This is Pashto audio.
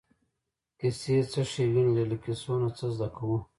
کیسې څه ښېګڼې لري له کیسو نه څه زده کوو.